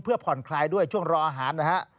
เพื่อผ่อนคลายด้วยช่วงรออาหารนะฮะ